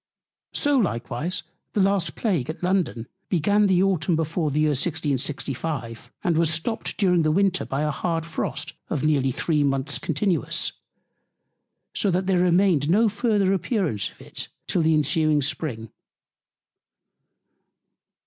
So likewise the last Plague at London began the Autumn before the Year 1665, and was stopt during the Winter by a hard Frost of near three Month's Continuance; so that there remained no further Appearance of it till the ensuing Spring.